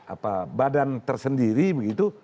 apa badan tersendiri begitu